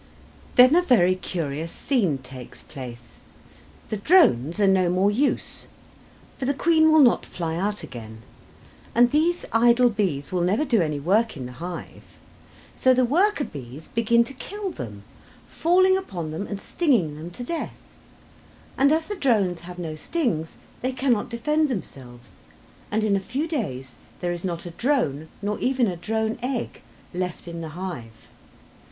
Then a very curious scene takes place. The drones are no more use, for the queen will not fly out again, and these idle bees will never do any work in the hive. So the worker bees begin to kill them, falling upon them, and stinging them to death, and as the drones have no stings they cannot defend themselves, and in a few days there is not a drone, nor even a drone egg, left in the hive.